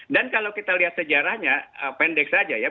dan kalau kita lihat sejarahnya pendek saja ya